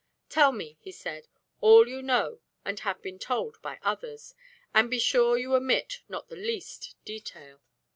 "Tell me," he said, "all you know and have been told by others, and be sure you omit not the least detail."